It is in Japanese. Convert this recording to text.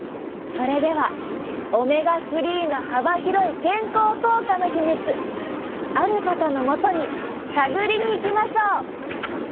それではオメガ３の幅広い健康効果の秘密ある方のもとに探りに行きましょう！